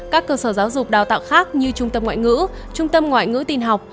các cơ sở giáo dục đào tạo khác như trung tâm ngoại ngữ trung tâm ngoại ngữ tin học